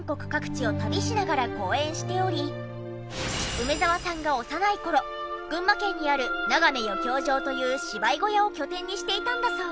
梅沢さんが幼い頃群馬県にあるながめ余興場という芝居小屋を拠点にしていたんだそう。